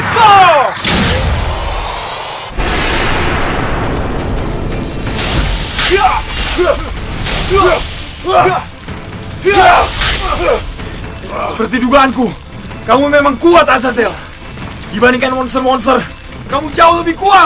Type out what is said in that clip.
sampai jumpa di video selanjutnya